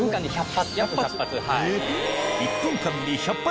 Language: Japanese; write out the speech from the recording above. １分間に１００発